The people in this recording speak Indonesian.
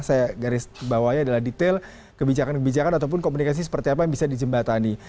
saya garis bawahnya adalah detail kebijakan kebijakan ataupun komunikasi seperti apa yang bisa dijembatani